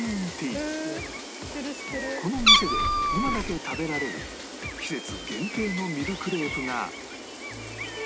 この店で今だけ食べられる季節限定のミルクレープが